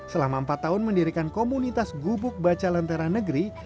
selama empat tahun mendirikan komunitas gubuk baca lentera negeri